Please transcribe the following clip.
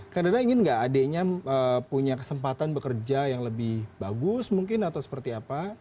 kak dada ingin gak adiknya punya kesempatan bekerja yang lebih bagus mungkin atau seperti apa